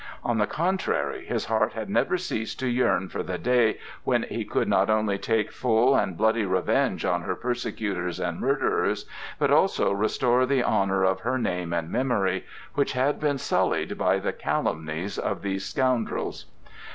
On the contrary, his heart had never ceased to yearn for the day when he could not only take full and bloody revenge on her persecutors and murderers, but also restore the honor of her name and memory, which had been sullied by the calumnies of those scoundrels.